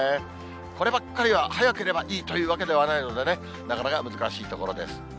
こればっかりは早ければいいというわけではないのでね、なかなか難しいところです。